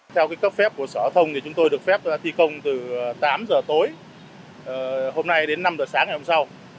theo cấp phép của sở thông thì chúng tôi được phép thi công từ tám giờ tối hôm nay đến năm h sáng ngày hôm sau